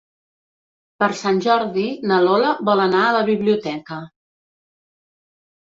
Per Sant Jordi na Lola vol anar a la biblioteca.